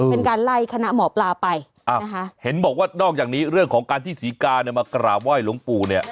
เป็นการไล่คณะหมอปลาไปอ่านะคะเห็นบอกว่านอกจากนี้เรื่องของการที่ศรีกาเนี่ยมากราบไห้หลวงปู่เนี่ย